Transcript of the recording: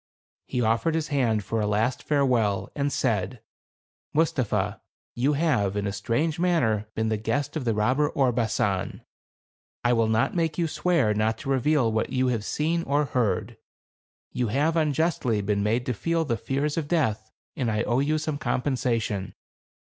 He offered his hand for a last farewell, and said, "Mustapha, you have, in a strange manner, been the guest of the robber Orbasan. I will not make you swear not to reveal what you have seen or heard. You have, unjustly, been made to feel the fears of death, and I owe . you some compensation.